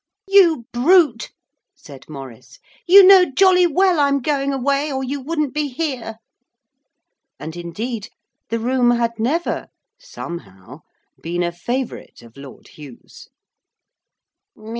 'You brute,' said Maurice; 'you know jolly well I'm going away, or you wouldn't be here.' And, indeed, the room had never, somehow, been a favourite of Lord Hugh's.